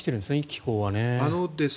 気候はね。